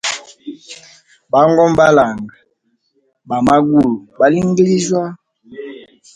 Bangoma balanga, ba magulu balingilijya.